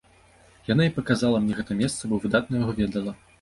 Яна і паказала мне гэта месца, бо выдатна яго ведала.